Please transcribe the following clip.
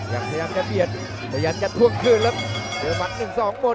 ยังพยายามกันเปลี่ยนยังพยายามกันท่วงคืนแล้วเตรียมฝัน๑๒หมดยกครับ